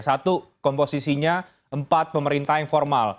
satu komposisinya empat pemerintah yang formal